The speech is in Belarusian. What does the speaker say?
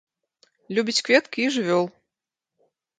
Любіць кветкі і жывёл.